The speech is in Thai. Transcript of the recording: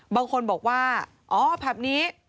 บางคนบอกว่าอ๋อแบบนี้